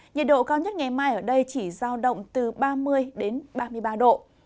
nhiệt độ cao nhất ngày mai ở đây chỉ giao động từ ba mươi đến ba mươi ba độ